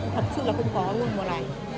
thật sự là không có luôn mùa này